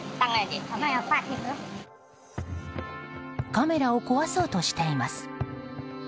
カメラを壊そうとしています。